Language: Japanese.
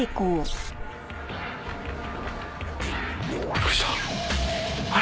びっくりした。